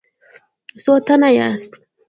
څو تنه یاست؟